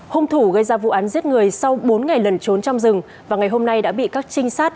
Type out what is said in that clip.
hung thủ gây ra vụ án giết người sau bốn ngày lần trốn trong rừng và ngày hôm nay đã bị các trinh sát